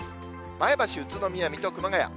前橋、宇都宮、水戸、熊谷。